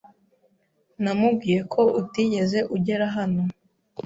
Namubwiye ko utigeze ugera hano.